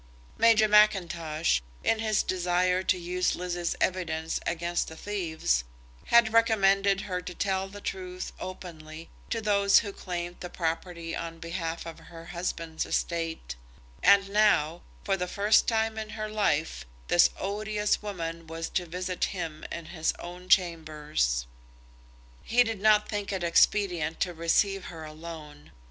Major Mackintosh, in his desire to use Lizzie's evidence against the thieves, had recommended her to tell the whole truth openly to those who claimed the property on behalf of her husband's estate; and now, for the first time in her life, this odious woman was to visit him in his own chambers. He did not think it expedient to receive her alone.